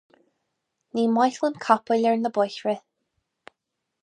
Ní maith liom capaill ar na bóithre